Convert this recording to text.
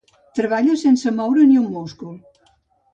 Treballa sense moure ni un múscul.